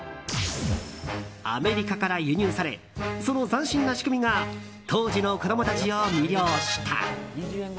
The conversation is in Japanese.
アメリカから輸入されその斬新な仕組みが当時の子供たちを魅了した。